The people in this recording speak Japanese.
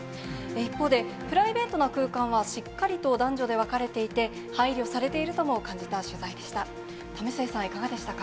一方で、プライベートな空間は、しっかりと男女で分かれていて、配慮されているとも感じた取材でした。